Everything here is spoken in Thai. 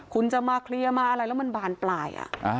คุณจะมาเคลียร์มาอะไรแล้วมันบานปลาย